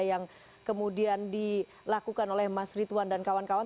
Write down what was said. yang kemudian dilakukan oleh mas rituan dan kawan kawan